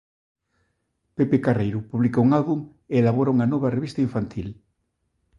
Pepe Carreiro publica un álbum e elabora unha nova revista infantil.